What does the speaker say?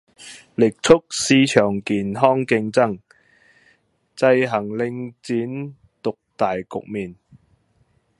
力促市場健康競爭，制衡領展獨大局面